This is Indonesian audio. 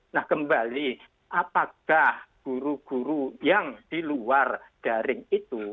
nah kembali apakah guru guru yang di luar daring itu